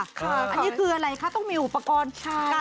ค่ะอันนี้คืออะไรคะต้องมีอุปกรณ์ใช่ค่ะ